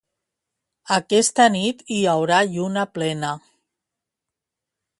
Aquesta nit hi haurà lluna plena.